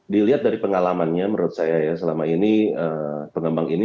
dilihat dari pengalamannya menurut saya ya